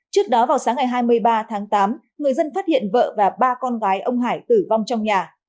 trước đó vào sáng ngày hai mươi ba tháng tám người dân phát hiện vợ và ba con gái ông hải tử vong trong nhà